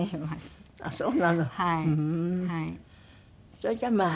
それじゃあまあ。